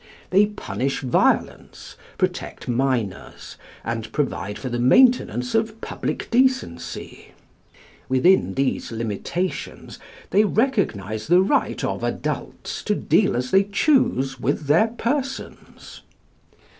They punish violence, protect minors, and provide for the maintenance of public decency. Within these limitations, they recognise the right of adults to deal as they choose with their persons.